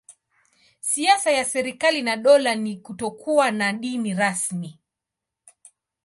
Siasa ya serikali na dola ni kutokuwa na dini rasmi.